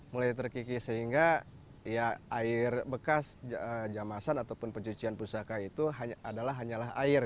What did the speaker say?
mulai terkikis sehingga ya air bekas jamasan ataupun pencucian pusaka itu adalah hanyalah air